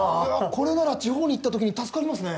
これなら地方に行った時に助かりますね。